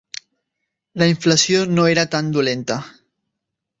La inflació no era tan dolenta.